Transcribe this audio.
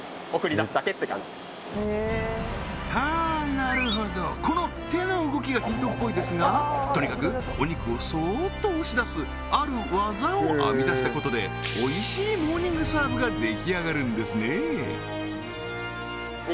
なるほどこの手の動きがヒントっぽいですがとにかくお肉をそっと押し出すある技を編み出したことでおいしいモーニングサーブが出来上がるんですね肉！